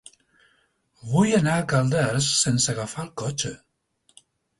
Vull anar a Calders sense agafar el cotxe.